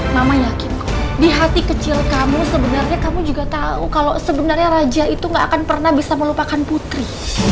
mama yakin kok di hati kecil kamu sebenernya kamu juga tau kalo sebenernya raja itu gak akan pernah bisa melupakan putri